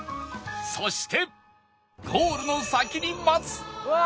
そしてゴールの先に待つうわ！